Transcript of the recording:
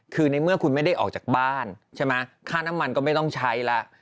คือในเมื่อคุณไม่ได้ออกจากบ้านใช่ไหมค่าน้ำมันก็ไม่ต้องใช้แล้ว